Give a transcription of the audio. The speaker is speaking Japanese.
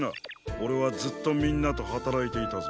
オレはずっとみんなとはたらいていたぞ。